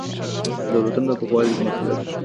د دولتونو د پوخوالي مرحله کله راځي؟